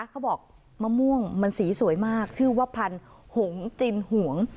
เขาบอกมะม่วงมันสีสวยมากชื่อว่าพันหง๓๖๑